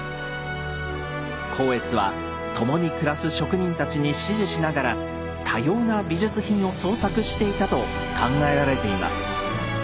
光悦は共に暮らす職人たちに指示しながら多様な美術品を創作していたと考えられています。